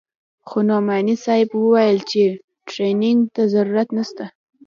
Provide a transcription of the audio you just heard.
خو نعماني صاحب وويل چې ټرېننگ ته ضرورت نسته.